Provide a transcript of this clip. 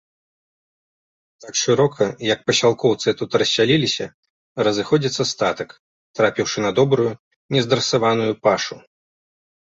Так шырока, як пасялкоўцы тут рассяліліся, разыходзіцца статак, трапіўшы на добрую, не здрасаваную пашу.